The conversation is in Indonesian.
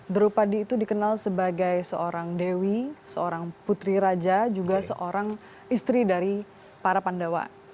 drupadi itu dikenal sebagai seorang dewi seorang putri raja juga seorang istri dari para pandawa